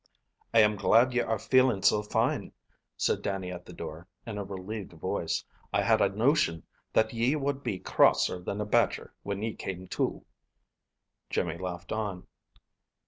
"I am glad ye are feeling so fine," said Dannie at the door, in a relieved voice. "I had a notion that ye wad be crosser than a badger when ye came to." Jimmy laughed on.